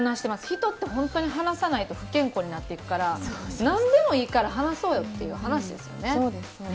人って本当に話さないと不健康になっていくから何でもいいから話そうよっていう話ですよね。